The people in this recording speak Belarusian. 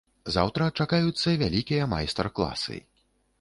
Заўтра чакаюцца вялікія майстар-класы.